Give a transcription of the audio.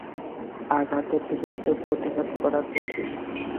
আঘাতের বিরুদ্ধে প্রতিঘাত করা কঠিন।